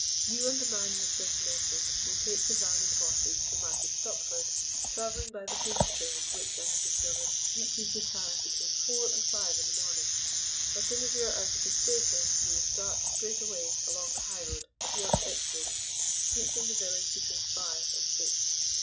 You and the man you have just mentioned will take the van and horses to Market Stopford, travelling by the goods train which, I have discovered, reaches the town between four and five in the morning. As soon as you are out of the station you will start straight away along the highroad towards Exbridge, reaching the village between five and six.